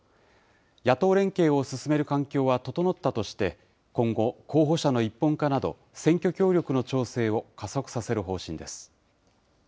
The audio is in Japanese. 野党連携を進める環境は整ったとして、今後、候補者の一本化など、選挙協力の調整を加速させる方針です。